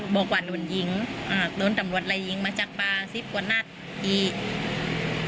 บอกว่าหลวนยิงเอ่อโดนตำรถระยิงมาจากปาสิบบาทเหพียง